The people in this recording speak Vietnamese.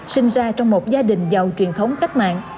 sinh ra trong một gia đình giàu truyền thống cách mạng